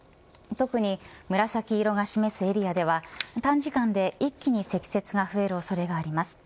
特に紫色が示すエリアでは短時間で一気に積雪が増える恐れがあります。